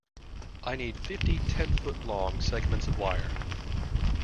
I need fifty ten-foot-long segments of wire.